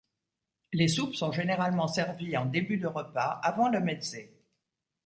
Les soupes sont généralement servies en début de repas avant le mezzé.